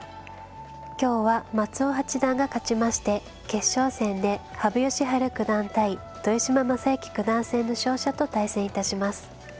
今日は松尾八段が勝ちまして決勝戦で羽生善治九段対豊島将之九段戦の勝者と対戦致します。